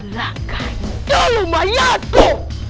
langkah itu lumayan ku